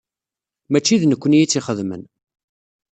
Mačči d nekkni i tt-ixedmen.